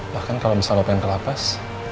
bahkan kalau misalnya lo pengen kelapas